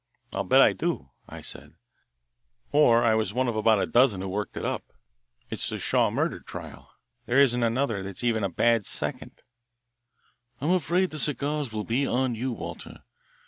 "I'll bet I do," I said, "or I was one of about a dozen who worked it up. It's the Shaw murder trial. There isn't another that's even a bad second." "I am afraid the cigars will be on you, Walter.